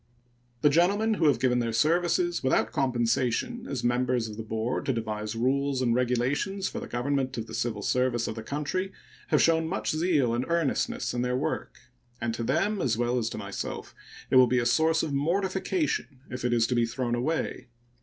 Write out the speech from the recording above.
The gentlemen who have given their services, without compensation, as members of the board to devise rules and regulations for the government of the civil service of the country have shown much zeal and earnestness in their work, and to them, as well as to myself, it will be a source of mortification if it is to be thrown away.